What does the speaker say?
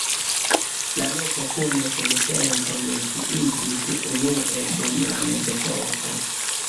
La loko kune kun templo menciiĝis unue dum la mezepoko.